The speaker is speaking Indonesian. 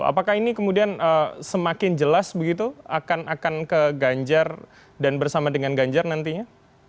apakah ini kemudian semakin jelas begitu akan ke ganjar dan bersama dengan ganjar nantinya